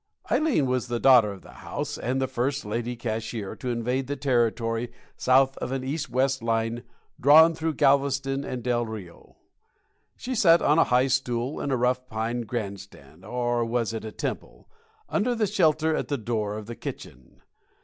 Ileen was the daughter of the house, and the first Lady Cashier to invade the territory south of an east and west line drawn through Galveston and Del Rio. She sat on a high stool in a rough pine grand stand or was it a temple? under the shelter at the door of the kitchen.